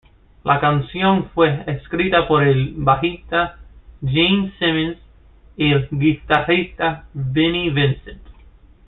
La canción fue escrita por el bajista Gene Simmons y el guitarrista Vinnie Vincent.